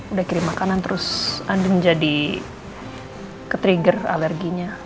udah kirim makanan terus andin jadi ketrigger alerginya